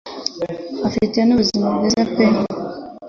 afite n'ubuzima bwiza pe.